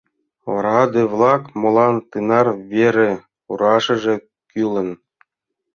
Ораде-влак, молан тынар вере руашыже кӱлын...